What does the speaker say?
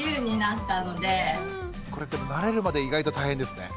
これでも慣れるまで意外と大変ですね。